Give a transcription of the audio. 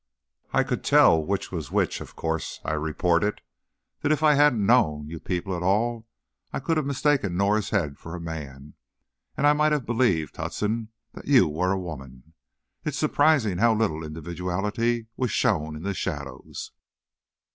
"I could tell which was which, of course," I reported, "but it's true that if I hadn't known you people at all, I could have mistaken Norah's head for a man, and I might have believed, Hudson, that you were a woman. It's surprising how little individuality was shown in the shadows."